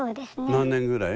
何年ぐらい？